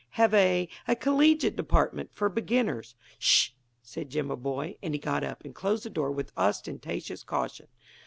have a a collegiate department for beginners?" "'Sh!" said Jimaboy, and he got up and closed the door with ostentatious caution.